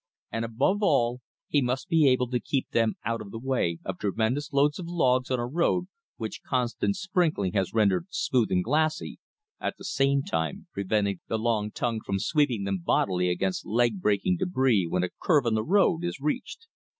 And above all, he must be able to keep them out of the way of tremendous loads of logs on a road which constant sprinkling has rendered smooth and glassy, at the same time preventing the long tongue from sweeping them bodily against leg breaking debris when a curve in the road is reached.